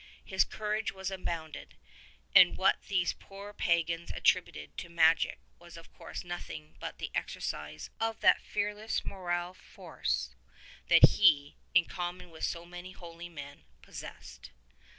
His courage was unbounded, and what these poor pagans atributed to magic was of course nothing but the exercise of that fearless moral force that he, in common with so many holy men, possessed.